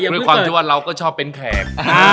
เพราะว่าเราก็ชอบเป็นแขก